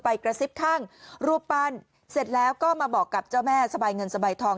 กระซิบข้างรูปปั้นเสร็จแล้วก็มาบอกกับเจ้าแม่สบายเงินสบายทอง